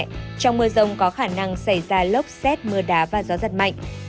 trong mưa rông có khả năng xảy ra lốc xét mưa đá và gió giật mạnh